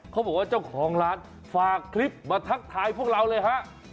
เขาบอกว่าเจ้าของร้านฝากคลิปมาทักทายพวกเราเลยฮะ